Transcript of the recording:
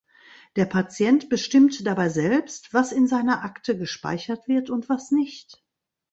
Der Patient bestimmt dabei selbst, was in seiner Akte gespeichert wird und was nicht.